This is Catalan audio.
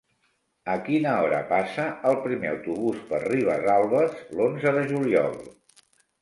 A quina hora passa el primer autobús per Ribesalbes l'onze de juliol?